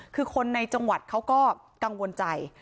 คือคนในจังหวัดเขาก็กังวลใจ